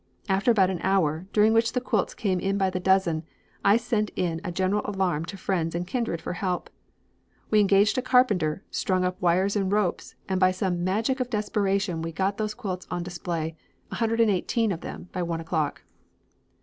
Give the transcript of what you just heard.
After about an hour, during which the quilts came in by the dozen, I sent in a general alarm to friends and kindred for help. We engaged a carpenter, strung up wires and ropes, and by some magic of desperation we got those quilts on display, 118 of them, by one o'clock.